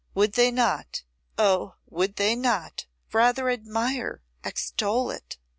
Would they not, oh! would they not, rather admire, extol it!